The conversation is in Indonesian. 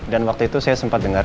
dan waktu itu saya sempat dengar